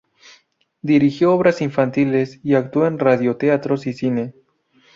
Dirigió obras infantiles y actuó en radioteatros y cine.